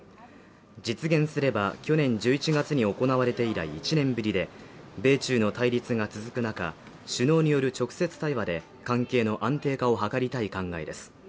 実現すれば去年１１月に行われて以来１年ぶりで米中の対立が続く中首脳による直接対話で関係の安定化を図りたい考えです